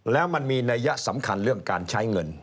แล้วมันมีนัยยะสำคัญเรื่องการใช้เงิน